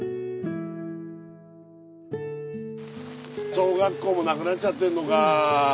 小学校もなくなっちゃってんのか。